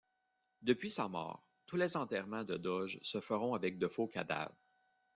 Depuis sa mort, tous les enterrements de doges se feront avec de faux cadavres.